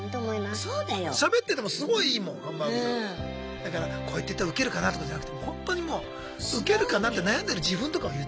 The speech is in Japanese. だからこうやって言った方がウケるかなとかじゃなくてほんとにもうウケるかなって悩んでる自分とかを言っちゃうとか。